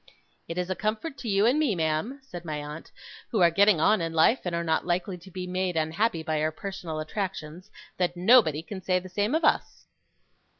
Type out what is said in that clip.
'It is a comfort to you and me, ma'am,' said my aunt, 'who are getting on in life, and are not likely to be made unhappy by our personal attractions, that nobody can say the same of us.